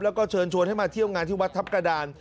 แล้วก็เชิญชวนให้มาเที่ยวงานที่วัดทัพกระดาน